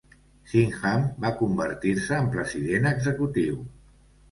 Singham va convertir-se en president executiu.